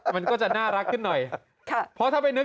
มันก็จะน่ารักขนาดนิดหน่อย